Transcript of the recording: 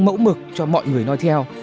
mẫu mực cho mọi người nói theo